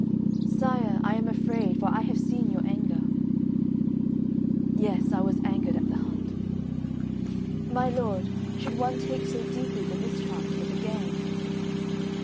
"Sire, I am afraid, for I have seen your anger. "Yes, I was angered at the hunt." "My lord, should one take so deeply the mischances of a game?"